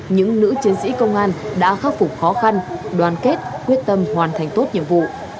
những nữ chiến sĩ công an đã khắc phục khó khăn đoàn kết quyết tâm hoàn thành tốt nhiệm vụ